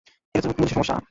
এটা তো পুলিশের সমস্যা।